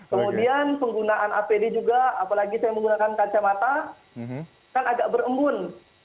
kemudian penggunaan apd juga apalagi saya menggunakan kacamata kan agak berembun